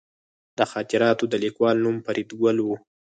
د خاطراتو د لیکوال نوم فریدګل و